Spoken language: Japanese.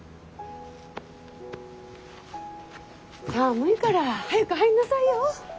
寒いから早く入んなさいよ。